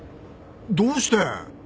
どうして！？